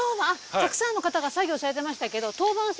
たくさんの方が作業されてましたけど。